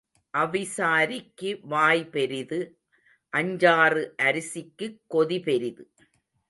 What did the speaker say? அவிசாரிக்கு வாய் பெரிது அஞ்சாறு அரிசிக்குக் கொதி பெரிது.